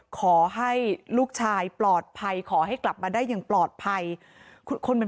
ขอให้ลูกชายปลอดภัยขอให้กลับมาได้อย่างปลอดภัย